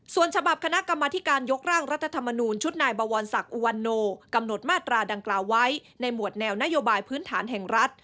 ส่วนฉบับคณะกรรมธิการยกร่างรัฐธรรมนูญชุดนายบวรศักดิ์อุวันโนกำหนดมาตราดังกล่าวไว้ในหมวดแนวนโยบายพื้นฐานแห่งรัฐ